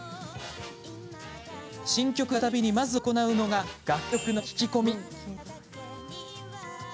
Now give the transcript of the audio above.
新曲が出るたびにまず行うのが楽曲の聴き込み。